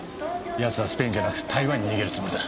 奴はスペインじゃなく台湾に逃げるつもりだ。